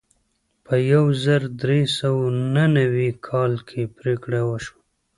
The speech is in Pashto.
په یو زر درې سوه نهه نوي کال کې پریکړه وشوه.